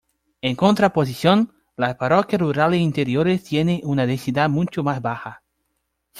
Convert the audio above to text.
En contraposición, las parroquias rurales interiores tienen una densidad mucho más baja.